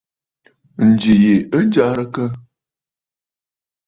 Ǹjì yì ɨ jɛrɨkə.